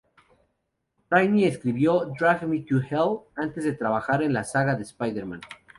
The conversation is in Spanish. Raimi escribió "Drag Me to Hell" antes de trabajar en la saga de Spider-Man.